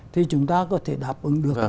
thì chúng ta có thể đáp ứng được